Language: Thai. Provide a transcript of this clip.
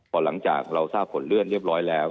พอหลังจากเราทราบผลเลื่อนเรียบร้อยแล้ว